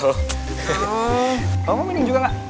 oh mau mending juga ga